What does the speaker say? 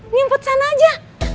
ngumpet sana aja